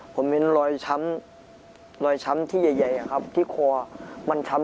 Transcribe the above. ผมเห็นรอยช้ำที่ใหญ่ครับที่ควอร์